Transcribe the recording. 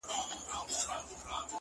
• فريادي داده محبت کار په سلگيو نه سي ـ